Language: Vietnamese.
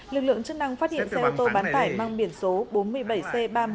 lực lượng chức năng phát hiện xe ô tô bán tải mang biển số bốn mươi bảy c ba mươi một nghìn ba trăm tám mươi hai